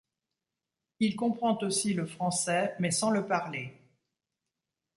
Il comprend aussi le français, mais sans le parler.